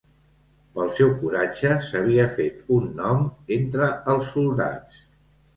Pel seu coratge s'havia fet un nom entre els soldats.